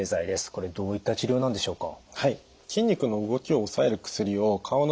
これどういった治療なんでしょうか？